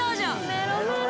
メロメロ